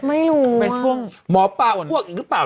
ไม่รู้มอป้าพวกอีกรึเปล่า